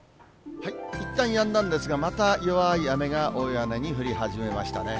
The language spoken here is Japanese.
いったんやんだんですが、また弱い雨が大屋根に降り始めましたね。